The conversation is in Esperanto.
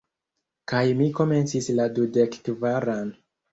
Kaj mi komencis la dudekkvaran.